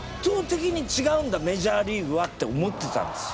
ねえ。って思ってたんですよ。